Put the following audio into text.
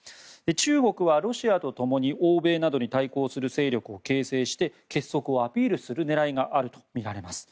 中国はロシアとともに欧米などに対抗する勢力を形成して結束をアピールする狙いがあるとみられます。